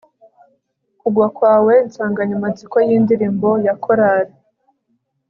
Kugwa kwawe insanganyamatsiko yindirimbo ya chorale